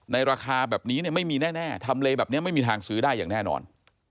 ราคาแบบนี้ไม่มีแน่ทำเลแบบนี้ไม่มีทางซื้อได้อย่างแน่นอน